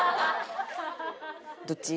どっち？